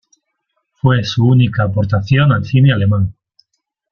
Fue su única aportación al cine alemán.